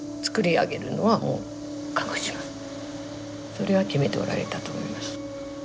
それは決めておられたと思いました。